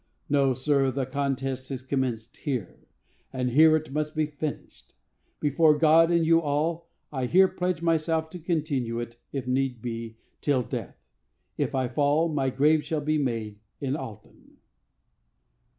No, sir, the contest has commenced here; and here it must be finished. Before God and you all, I here pledge myself to continue it, if need be, till death. If I fall, my grave shall be made in Alton."